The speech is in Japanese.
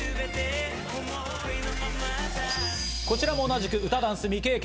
こちらも同じく歌、ダンス未経験。